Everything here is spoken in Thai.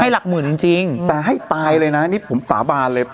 หลักหมื่นจริงจริงแต่ให้ตายเลยนะนี่ผมสาบานเลย